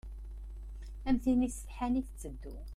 Am tin isetḥan i tetteddu.